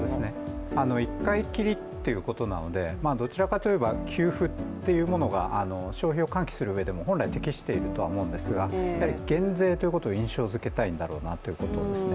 １回きりということなので、どちらかといえば給付というものが消費を喚起する上でも本来適している思うんですが、減税ということを印象づけたいんだろうなということですね。